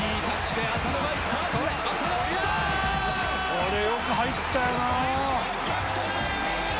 これよく入ったよな！